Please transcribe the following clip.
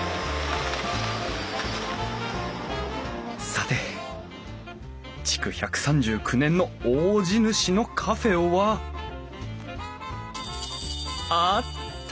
さて築１３９年の大地主のカフェはあった！